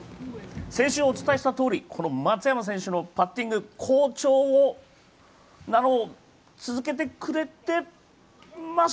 先週お伝えしたとおり、松山選手のパッティング、好調なのを続けてくれてます。